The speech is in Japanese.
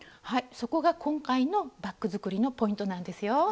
そこが今回のバッグ作りのポイントなんですよ。